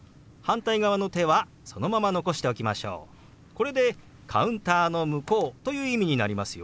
これでカウンターの向こうという意味になりますよ。